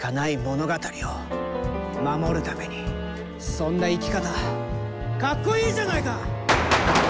そんな生き方かっこいいじゃないか！